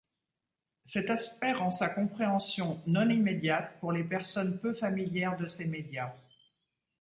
Cet aspect rend sa compréhension non-immédiate pour les personnes peu familières de ces médias.